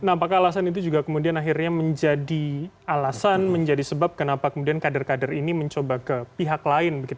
nah apakah alasan itu juga kemudian akhirnya menjadi alasan menjadi sebab kenapa kemudian kader kader ini mencoba ke pihak lain